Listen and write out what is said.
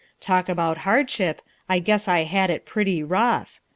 Talk about hardship, I guess I had it pretty rough!